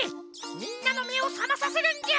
みんなのめをさまさせるんじゃ！